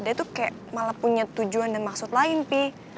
dia tuh kayak malah punya tujuan dan maksud lain sih